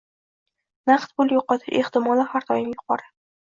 Naqd pul yo'qotish ehtimoli har doim yuqori